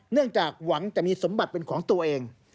เนื่องจากหวังจะมีสมบัติเป็นของตัวเอง